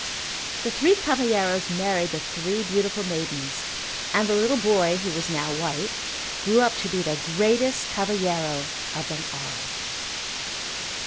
The three cavalheiros married the three beautiful maidens and the little boy who was now white, grew up to be the greatest cavalheiro of them all.